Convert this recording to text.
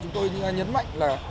chúng tôi nhấn mạnh